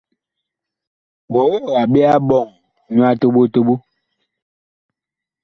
Wɔwɔɔ a ɓe a ɓɔŋ nyu a toɓo toɓo ?